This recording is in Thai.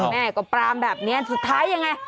แม่ก็ปรามแบบนี้สุดท้ายยังไง